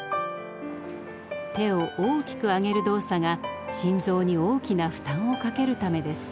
手を大きく上げる動作が心臓に大きな負担をかけるためです。